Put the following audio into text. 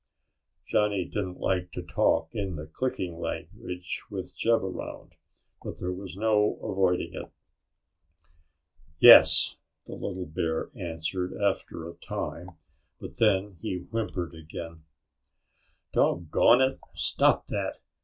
Johnny didn't like to talk in the clicking language with Jeb around, but there was no avoiding it. "Yes," the little bear answered after a time. But then he whimpered again. "Doggone it, stop that!"